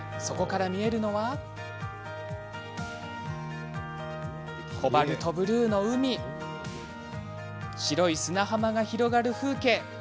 そこから見えるのはコバルトブルーの海白い砂浜が広がる風景。